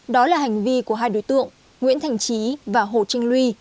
đó là hành vi của hai đối tượng nguyễn thành trí và hồ trinh luy